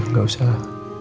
udah gak usah